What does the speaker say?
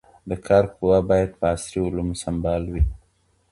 د کار قوه باید په عصري علومو سمبال وي.